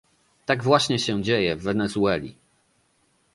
Tak właśnie się dzieje w Wenezueli